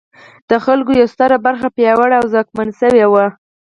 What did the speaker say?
د خلکو یوه ستره برخه پیاوړې او ځواکمنه شوې وه.